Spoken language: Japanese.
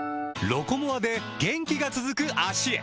「ロコモア」で元気が続く脚へ！